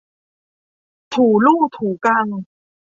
ถูลู่ถูกัง